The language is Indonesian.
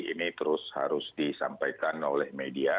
ini terus harus disampaikan oleh media